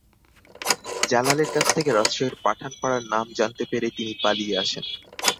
জালালের কাছ থেকে রাজশাহীর পাঠানপাড়ার নাম জানতে পেরে তিনি পালিয়ে আসেন।